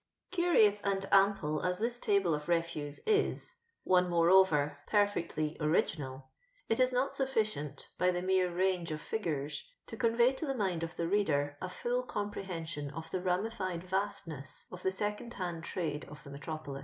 Curioiii and ample as Uiis Table of Be toe is — ono, moreover, peribetly original—it is not sufficient, by the mere range of figures, to eonvey to tne mind of the reader a fiill eom preheosion of the nAiifled Tastness of the Seoond Hand trade <rfthe metropoHa.